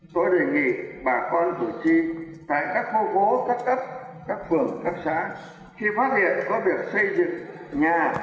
tôi đề nghị bà con thủ thiêm tại các khu vố các cấp các phường các xã khi phát hiện có việc xây dựng nhà